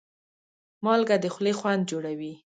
مالګه د خولې خوند جوړوي.